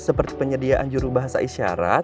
seperti penyediaan jurubahasa isyarat